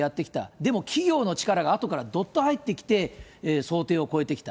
でも企業の力が後からどっと入ってきて想定を超えてきた。